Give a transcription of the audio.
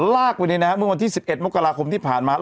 ลากไปในนี้นะฮะเมื่อวันที่สิบเอ็ดมกราคมที่ผ่านมา